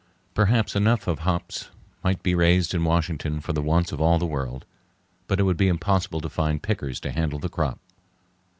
Perhaps enough of hops might be raised in Washington for the wants of all the world, but it would be impossible to find pickers to handle the crop.